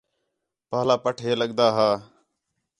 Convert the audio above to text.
پاہلا پٹ ہے لڳدا ہا